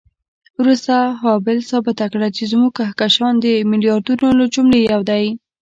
وروسته هابل ثابته کړه چې زموږ کهکشان د میلیاردونو له جملې یو دی.